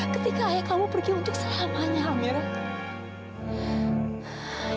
ketika ayah kamu pergi untuk selamanya amera